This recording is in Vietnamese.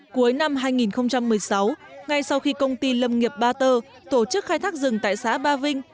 cuối năm hai nghìn một mươi sáu ngay sau khi công ty lâm nghiệp ba tơ tổ chức khai thác rừng tại xã ba vinh